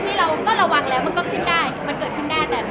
จริงโหยระวังแล้วมันก็ขึ้นได้มันก็ขึ้นได้